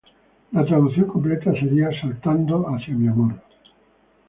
La traducción completa sería "Saltando hacia mi amor".